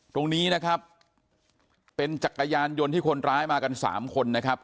ตรงนี้นะครับเป็นจักรยานยนต์ที่คนร้ายมากันสามคนนะครับ